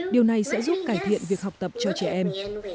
điều này sẽ giúp cải thiện việc học tập cho trẻ em